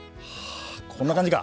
こんな感じか。